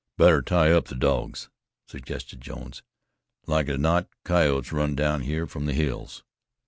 "Better tie up the dogs," suggested Jones. "Like as not coyotes run down here from the hills."